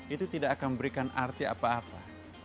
itu tidak akan memberikan arti apa apa